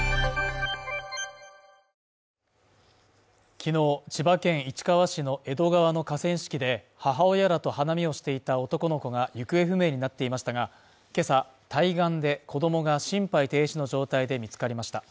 昨日、千葉県市川市の江戸川の河川敷で、母親らと花見をしていた男の子が行方不明になっていましたが、今朝、対岸で、子供が心肺停止の状態で見つかりました。